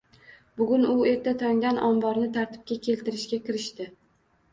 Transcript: Bugun u erta tongdan omborni tartibga keltirishga kirishdi